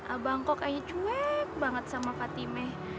abang kok kayaknya cuek banget sama katime